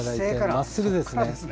まっすぐです。